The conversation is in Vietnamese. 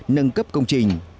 nâng cấp công trình